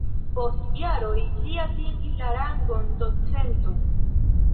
Post jaroj li atingis la rangon docento.